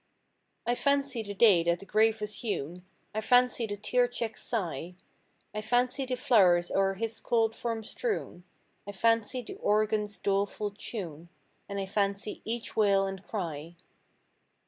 I fancy the day that the grave was hewn; I fancy the tear checked sigh; I fancy the flow'rs o'er his cold form strewn; I fancy the organ's doleful tune, And I fancy each wail and cry.